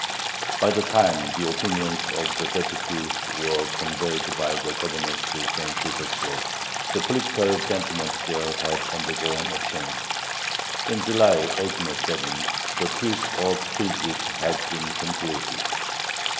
By the time the opinions of the deputies were conveyed by the governors to St. Petersburg, the political sentiment there had undergone a change. In July, 1807, the Peace of Tilsit had been concluded.